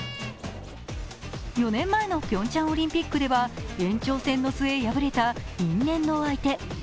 ４年前のピョンチャンオリンピックでは延長戦の末敗れた因縁の相手。